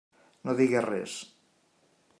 No diguis res.